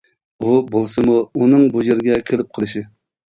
ئۇ بولسىمۇ، ئۇنىڭ بۇ يەرگە كېلىپ قېلىشى.